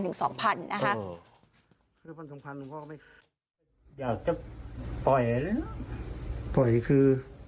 อยากจะปล่อยได้เลยนะปล่อยน่ะคือ